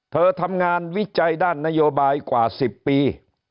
เธอทำงานวิจัยด้านนโยบายกว่า๑๐ปี